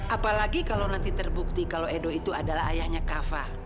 apalagi kalau nanti terbukti edo adalah ayahnya kava